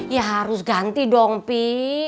ya harus ganti dong p